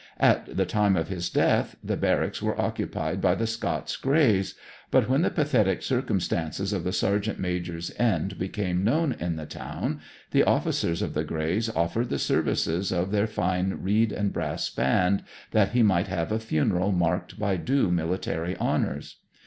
At the time of his death the barracks were occupied by the Scots Greys, but when the pathetic circumstances of the sergeant major's end became known in the town the officers of the Greys offered the services of their fine reed and brass band, that he might have a funeral marked by due military honours.